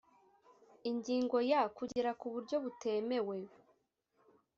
Ingingo ya kugera ku buryo butemewe